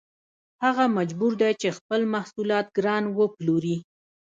هغه مجبور دی چې خپل محصولات ګران وپلوري